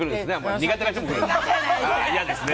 苦手な人も来るんですね。